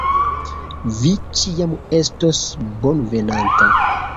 Vi ĉiam estos bonvenanta.